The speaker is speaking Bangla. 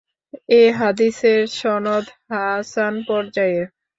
এ হাদীসের সনদ হাসান পর্যায়ের।